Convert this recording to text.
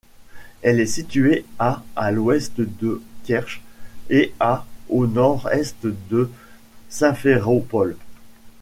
Elle est située à à l'ouest de Kertch et à au nord-est de Simferopol.